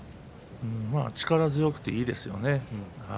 力強くていいですよね。